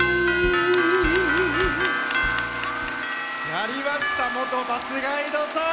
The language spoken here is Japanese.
やりました元バスガイドさん！